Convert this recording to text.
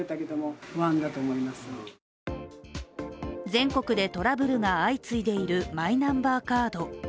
全国でトラブルが相次いでいるマイナンバーカード。